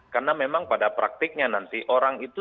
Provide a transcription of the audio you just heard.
karena memang pada praktiknya nanti orang itu